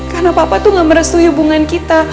karena papa tuh gak merestui hubungan kita